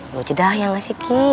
lu cedah ya gak sih ki